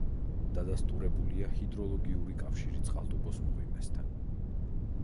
დადასტურებულია ჰიდროლოგიური კავშირი წყალტუბოს მღვიმესთან.